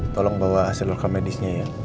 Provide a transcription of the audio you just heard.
tolong bawa hasil reka medisnya ya